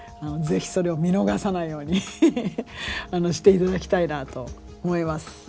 是非それを見逃さないようにして頂きたいなと思います。